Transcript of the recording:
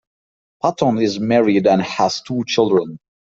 Patton is married and has two children.